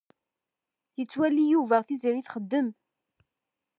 Yettwali Yuba Tiziri txeddem.